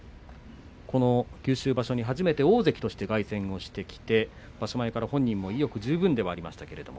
この九州場所に初めて大関として凱旋してきて場所前から本人も意欲十分ではありました。